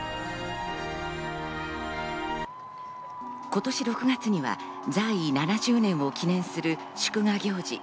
今年６月には在位７０年を記念する祝賀行事